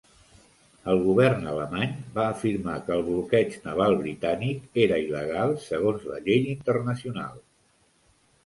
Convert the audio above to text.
El govern alemany va afirmar que el bloqueig naval britànic era il·legal segons la llei internacional.